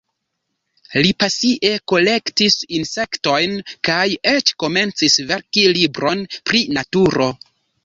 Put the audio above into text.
Li pasie kolektis insektojn kaj eĉ komencis verki libron pri naturo.